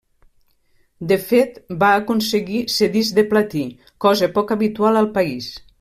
De fet, va aconseguir ser disc de platí, cosa poc habitual al país.